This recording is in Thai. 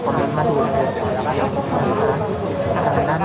ขอบคุณครับ